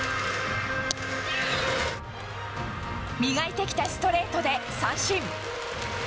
磨いてきたストレートで三振。